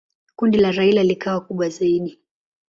Kundi la Raila likawa kubwa zaidi.